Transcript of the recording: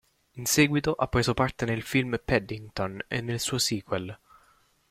In seguito ha preso parte nel film "Paddington" e nel suo sequel.